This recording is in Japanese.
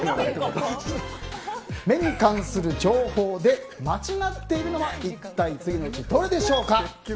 目に関する情報で間違っているのは一体、次のうちどれでしょうか。